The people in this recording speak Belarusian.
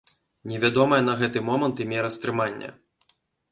Невядомая на гэты момант і мера стрымання.